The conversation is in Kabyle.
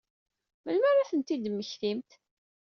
Melmi ara ad ten-id-temmektimt?